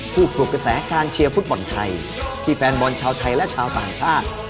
ผู้ถูกกระแสการเชียร์ฟุตบอลไทยที่แฟนบอลชาวไทยและชาวต่างชาติ